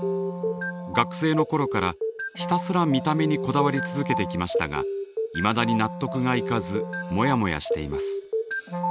学生の頃からひたすら見た目にこだわり続けてきましたがいまだに納得がいかずモヤモヤしています。